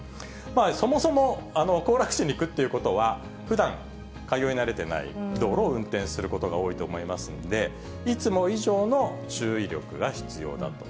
そもそも行楽地に行くっていうことは、ふだん、通い慣れていない道路を運転することが多いと思いますんで、いつも以上の注意力が必要だと。